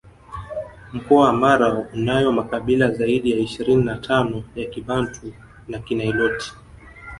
Mkoa wa Mara unayo makabila zaidi ya ishirini na tano ya Kibantu na Kiniloti